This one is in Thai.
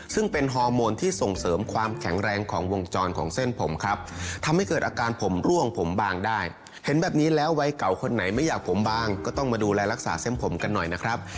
ซึ่งเป็นฮอร์โมนที่ส่งเสริมความแข็งแรงของวงจรของเส้นผมครับทำให้เกิดอาการผมร่วงผมบางได้เห็นแบบนี้แล้ววัยเก่าคนไหนไม่อยากผมบางก็ต้องมาดูแลรักษาเส้นผมกันหน่อยนะครับ